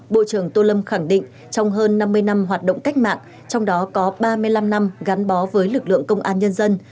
bộ trưởng tô lâm khẳng định trong hơn năm mươi năm hoạt động cách mạng trong đó có ba mươi năm năm gắn bó với lực lượng công an nhân dân